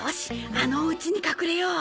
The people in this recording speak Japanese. あのおうちに隠れよう。